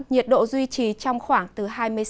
nhiệt độ duy trì trong khoảng từ hai mươi sáu